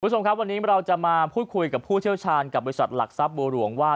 คุณผู้ชมครับวันนี้เราจะมาพูดคุยกับผู้เชี่ยวชาญกับบริษัทหลักทรัพย์บัวหลวงว่า